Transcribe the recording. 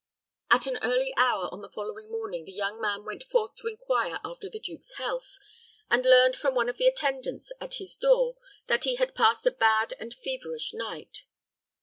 At an early hour on the following morning the young man went forth to inquire after the duke's health, and learned from one of the attendants at his door that he had passed a bad and feverish night.